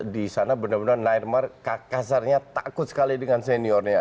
di sana benar benar neymar kasarnya takut sekali dengan seniornya